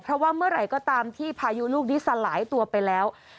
เพราะว่าเมื่อไหร่ก็ตามที่พายุลูกนี้สลายตัวไปแล้ว